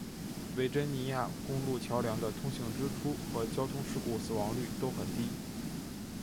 维珍尼亚公路桥梁的通行支出和交通事故死亡率都很低。